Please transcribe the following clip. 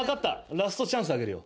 ラストチャンスあげるよ。